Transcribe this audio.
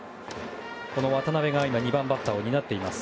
渡邉が２番バッターを担っています。